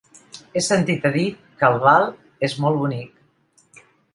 He sentit a dir que Albal és molt bonic.